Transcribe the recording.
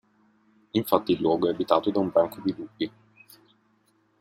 Infatti il luogo è abitato da un branco di lupi.